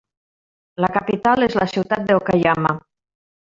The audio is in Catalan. La capital és la ciutat d'Okayama.